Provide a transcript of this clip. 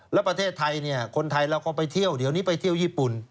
แล้วประเทศไทยเนี่ยคนไทยเราก็ไปเที่ยวเดี๋ยวนี้ไปเที่ยวญี่ปุ่น